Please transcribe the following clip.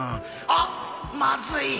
あっまずい。